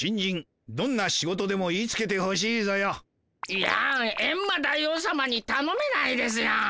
いやエンマ大王さまにたのめないですよ。